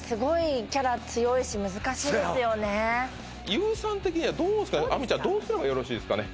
ＹＯＵさん的には亜美ちゃんどうすればよろしいですかね